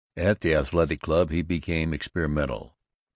At the Athletic Club he became experimental.